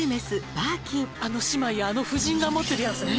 「あの姉妹やあの夫人が持ってるやつね」